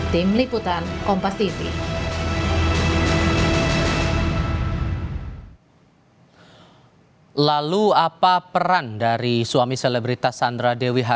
tim liputan kompas timah